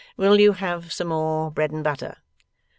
Will you have some more bread and butter?